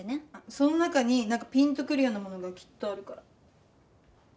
その中になんかピンとくるようなものがきっとあるから。